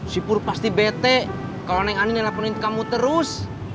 sipur pasti bete kalau neng ani nelfonin kamu terus